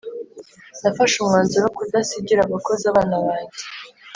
Nafashe umwanzuro wo kudasigira abakozi abana banjye